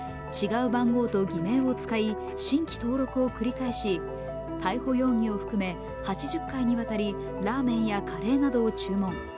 違う番号と偽名を使い、新規登録を繰り返し逮捕容疑を含め８０回にわたりラーメンやカレーなどを注文。